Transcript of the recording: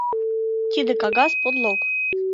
— Тиде кагаз — подлог!